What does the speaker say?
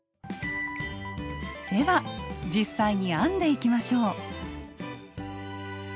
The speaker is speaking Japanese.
では実際に編んでいきましょう。